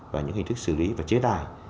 và những hình thức xử lý và chế tài